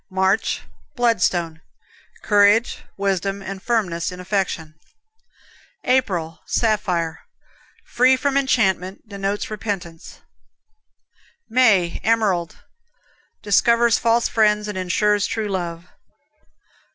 March, Bloodstone Courage, wisdom and firmness in affection. April, Sapphire Free from enchantment; denotes repentance. May, Emerald Discovers false friends, and insures true love.